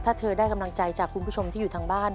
ถ้าเธอได้กำลังใจจากคุณผู้ชมที่อยู่ทางบ้าน